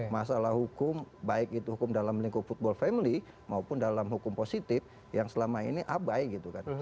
masalah hukum baik itu hukum dalam lingkup football family maupun dalam hukum positif yang selama ini abai gitu kan